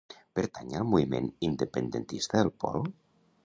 Pertany al moviment independentista el Pol?